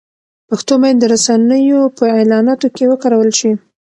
پښتو باید د رسنیو په اعلاناتو کې وکارول شي.